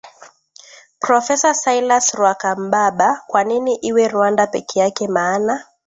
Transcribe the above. professa silas rwakambaba kwa nini iwe rwanda peke yake maana